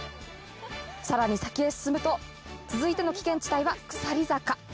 更に先へ進むと続いての危険地帯はくさり坂。